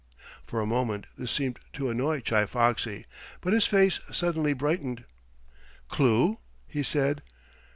For a moment this seemed to annoy Chi Foxy, but his face suddenly brightened. "Clue?" he said.